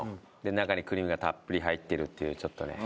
中にクリームがたっぷり入ってるっていうちょっとね。